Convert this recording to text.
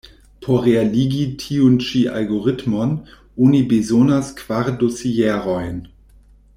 Por realigi tiun ĉi algoritmon, oni bezonas kvar dosierojn.